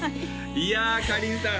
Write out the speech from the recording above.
いやかりんさん